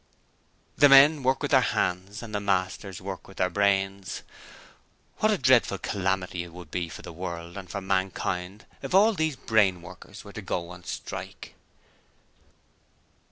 The men work with their hands, and the masters work with their brains. What a dreadful calamity it would be for the world and for mankind if all these brain workers were to go on strike.